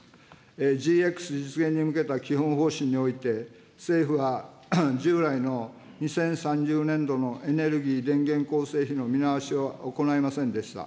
ＧＸ実現に向けた基本方針において、政府は従来の２０３０年度のエネルギー電源構成比の見直しは行いませんでした。